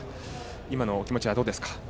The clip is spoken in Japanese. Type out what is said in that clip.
今のお気持ちはどうですか？